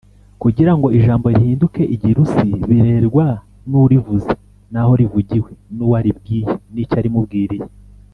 kugira ngo ijambo rihinduke igirursi, birerwa n'urivuze, n'aho rivugiwe • n'uwo aribwiye, n'icyo arimubwiriye,